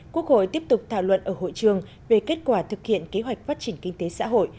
quốc hội tiếp tục thảo luận ở hội trường về kết quả thực hiện kế hoạch phát triển kinh tế xã hội